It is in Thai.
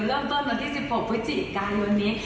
เริ่มต้นตอนที่๑๖พฤศจิกายวันนี้